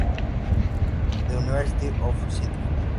The University of Sydney.